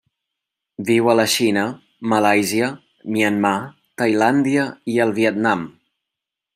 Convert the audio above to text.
Viu a la Xina, Malàisia, Myanmar, Tailàndia i el Vietnam.